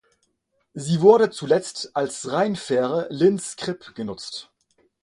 Sie wurde zuletzt als Rheinfähre Linz–Kripp genutzt.